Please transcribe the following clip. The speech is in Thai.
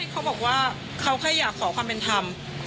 เขาบอกว่าเขาแค่อยากขอความเป็นธรรม